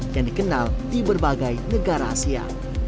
yang dikenal di berbagai negara asia